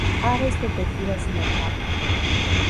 Aves protegidas en el parque